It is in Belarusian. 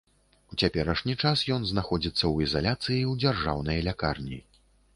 У цяперашні час ён знаходзіцца ў ізаляцыі ў дзяржаўнай лякарні.